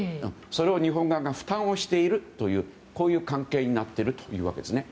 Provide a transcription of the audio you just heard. それを日本側が負担をしているというこういう関係になっているというわけですね。